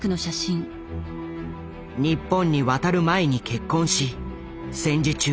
日本に渡る前に結婚し戦時中